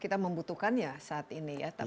kita membutuhkannya saat ini ya